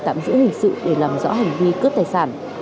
tạm giữ hình sự để làm rõ hành vi cướp tài sản